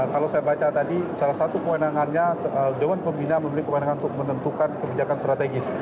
kalau saya baca tadi salah satu kewenangannya dewan pembina memiliki kewenangan untuk menentukan kebijakan strategis